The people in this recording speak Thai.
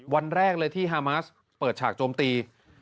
วันแรกเลยที่ฮามาสเปิดฉากโจมตี